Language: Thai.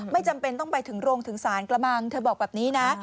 ไม่จำเป็นต้องไปถึงโรงถึงสารกระมังเธอบอกแบบนี้นะ